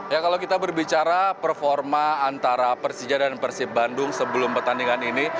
ya kalau kita berbicara performa antara persija dan persib bandung sebelum pertandingan ini